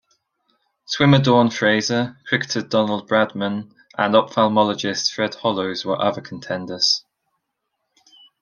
Swimmer Dawn Fraser, cricketer Donald Bradman, and ophthalmologist Fred Hollows were other contenders.